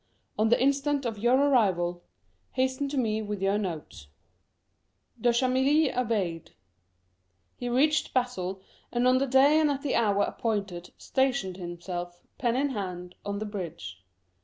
On the instant of your arrival, hasten to me with your notes." De Chamilly obeyed ; he reached Basle, and on the day and at the hour appointed, stationed himself, pen in hand, on the bridge.